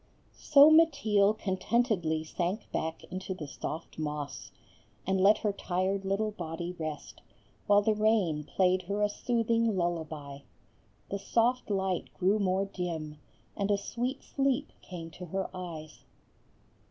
So Mateel contentedly sank back into the soft moss, and let her tired little body rest, while the rain played her a soothing lullaby. The soft light grew more dim, and a sweet sleep came to her eyes.